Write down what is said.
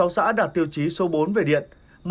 bảy mươi sáu xã đạt tiêu chí số bốn về điện